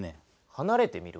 はなれて見る？